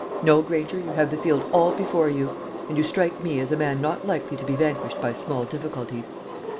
No, Granger, you have the field all before you. And you strike me as a man not likely to be vanquished by small difficulties."